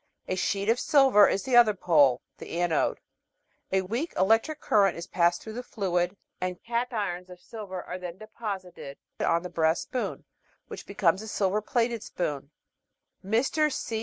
A sheet of silver is the other pole the anode. A weak electric current is passed through the fluid, and cations of silver are then deposited on the brass spoon, which be comes a silver plated spoon. Mr.